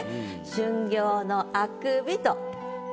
「春暁のあくび」と。